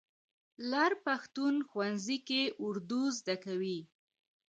لر پښتون ښوونځي کې اردو زده کوي.